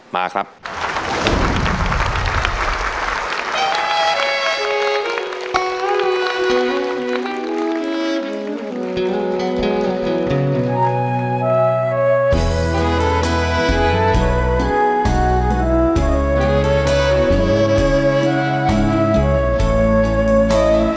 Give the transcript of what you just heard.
มาครับ